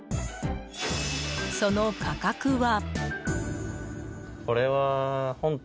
その価格は。